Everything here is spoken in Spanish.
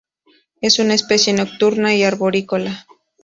Es una especie nocturna y arborícola.